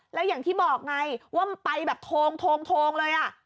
แล้วอย่างที่บอกไงว่ามันไปแบบโทงเลย